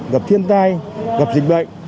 gặp thiên tai gặp dịch bệnh